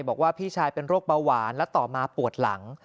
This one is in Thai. บอกว่าพี่ชายเป็นโรคเบาหวานและต่อมาปวดหลัง